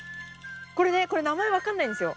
これねこれ名前分かんないんですよ。